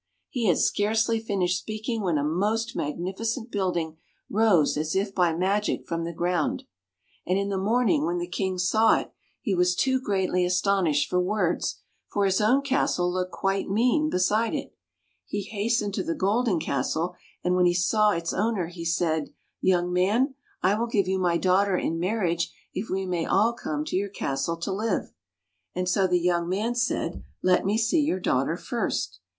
" He had scarcely finished speaking when a most magnificent building rose as if by magic from the ground. And in the morning, when the King saw it, he was too greatly astonished for words, for his own castle looked quite mean be side it. He hastened to the golden castle, and [ 142 ] THE MAGIC SNUFF BOX when he saw its owner he said, " Young man, I will give you my daughter in marriage if we may all come to your castle to live." And the young man said, " Let me see your daughter first."